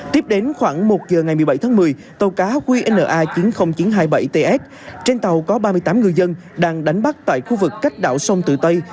tiếp đến khoảng một giờ ngày một mươi bảy tháng một mươi tàu cá qna chín mươi nghìn chín trăm hai mươi bảy ts trên tàu có ba mươi tám ngư dân đang đánh bắt tại khu vực cách đảo sông tự tây